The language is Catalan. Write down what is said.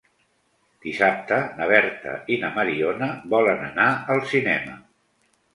Dissabte na Berta i na Mariona volen anar al cinema.